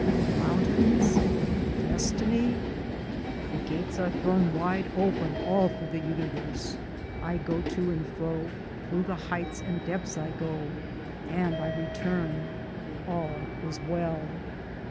the mountains ? destiny ? The gates are thrown wide open all through the universe. I go to and fro — through the heights and depths I go and I return : All is well.